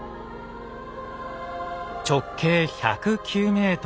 直径１０９ｍ。